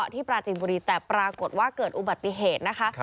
ปราจีนบุรีแต่ปรากฏว่าเกิดอุบัติเหตุนะคะ